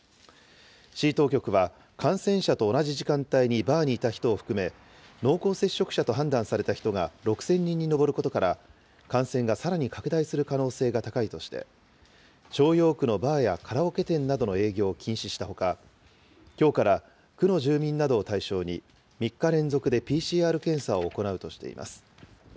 市当局は、感染者と同じ時間帯にバーにいた人を含め、濃厚接触者と判断された人が６０００人に上ることから、感染がさらに拡大する可能性が高いとして、朝陽区のバーやカラオケ店などの営業を禁止したほか、きょうから区の住民などを対象に、３日連続でＰＣＲ検査を行うとしています。